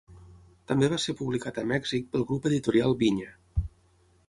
També va ser publicat a Mèxic pel grup Editorial Vinya.